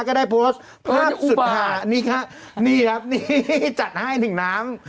ก็ได้โพสต์ภาพสุดหานี่ค่ะนี่ครับนี่จัดให้หนึ่งน้ำ